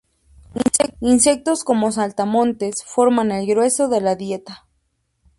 Insectos como saltamontes s forman el grueso de la dieta.